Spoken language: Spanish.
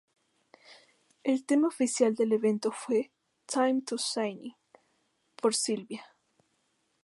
El tema oficial del evento fue ""Time to Shine"" por Saliva.